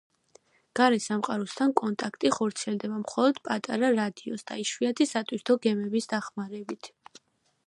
გარე სამყაროსთან კონტაქტი ხორციელდება მხოლოდ პატარა რადიოს და იშვიათი სატვირთო გემების დახმარებით.